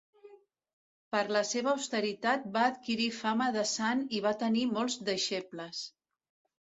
Per la seva austeritat va adquirir fama de sant i va tenir molts deixebles.